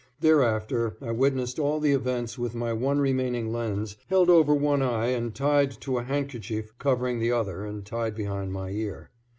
Thereafter I witnessed all the events with my one remaining lense held over one eye and tied to a handkerchief covering the other and tied behind my ear.